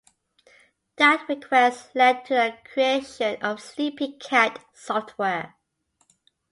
That request led to the creation of Sleepycat Software.